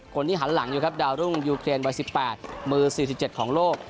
คนที่หันหลังอยู่ครับดาวรุ่งยูเครนวัย๑๘มือ๔๗ของโลก